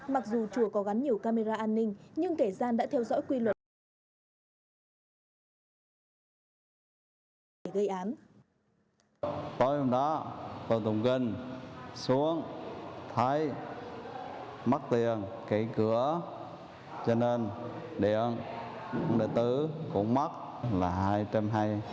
mặc dù chùa có gắn nhiều camera an ninh nhưng kẻ gian đã theo dõi quy luật gây án